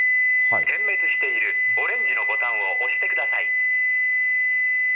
点滅しているオレンジのボタンを押してください。